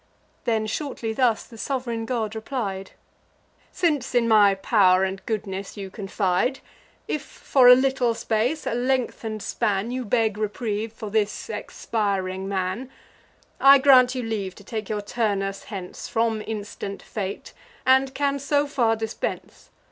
Then shortly thus the sov'reign god replied: "Since in my pow'r and goodness you confide, If for a little space, a lengthen'd span, You beg reprieve for this expiring man, I grant you leave to take your Turnus hence From instant fate, and can so far dispense.